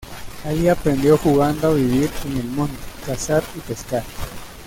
Allí aprendió jugando a vivir en el monte, cazar y pescar.